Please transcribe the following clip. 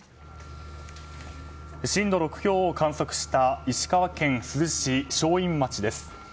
震度６強を観測した石川県珠洲市正院町です。